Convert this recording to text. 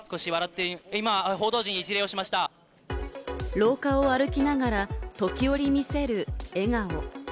廊下を歩きながら、時折見せる笑顔。